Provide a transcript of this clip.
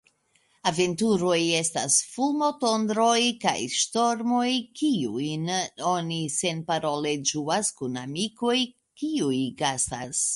Aventuroj estas fulmotondroj kaj ŝtormoj, kiujn oni senparole ĝuas kun amikoj, kiuj gastas.